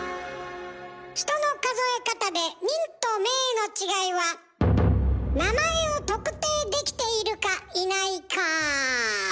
人の数え方で「人」と「名」の違いは名前を特定できているかいないか。